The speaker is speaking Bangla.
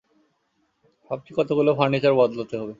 ভাবছি কতগুলো ফার্নিচার বদলাতে হবে।